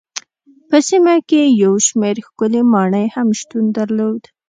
په سیمه کې یو شمېر ښکلې ماڼۍ هم شتون درلود.